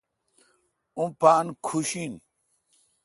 اوں پان کھوش این